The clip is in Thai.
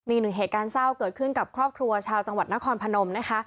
มีหนึ่งเหตุการณ์เศร้าเกิดขึ้นกับครอบครัวชาวจังหวัดนครพนมนะคะ